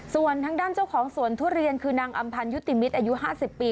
ส่วนทางด้านเจ้าของสวนทุเรียนคือนางอำพันธ์ยุติมิตรอายุ๕๐ปี